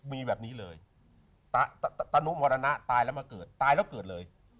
มีแบบนี้เลยตะนุมรณะตายแล้วมาเกิดตายแล้วเกิดเลย